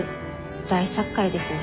大殺界ですね。